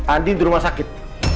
andien di rumah sakit